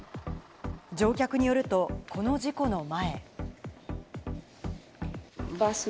乗客によると、この事故の前。